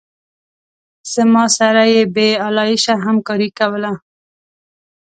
زما سره یې بې آلایشه همکاري کوله.